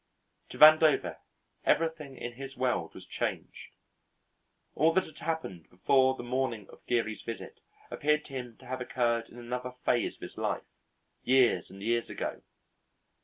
To Vandover everything in his world was changed. All that had happened before the morning of Geary's visit appeared to him to have occurred in another phase of his life, years and years ago.